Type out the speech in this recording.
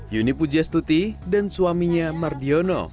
yuni pujastuti dan suaminya mardiono